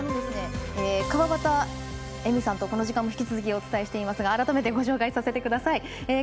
川端絵美さんとこの時間も引き続きお伝えしていますが改めてご紹介させてください。